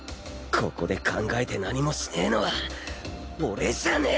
ここで考えて何もしねえのは俺じゃねえ！